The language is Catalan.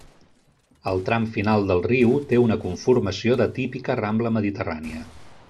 El tram final del riu té una conformació de típica rambla mediterrània.